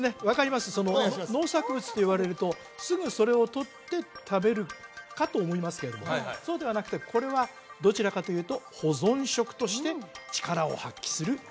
分かりますその農作物といわれるとすぐそれをとって食べるかと思いますけどもそうではなくてこれはどちらかというと保存食として力を発揮するものなんですよね